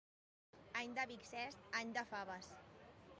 Any de bixest, any de faves.